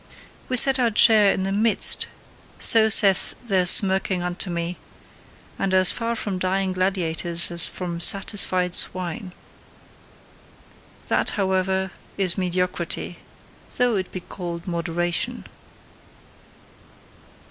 "We set our chair in the MIDST" so saith their smirking unto me "and as far from dying gladiators as from satisfied swine." That, however, is MEDIOCRITY, though it be called moderation.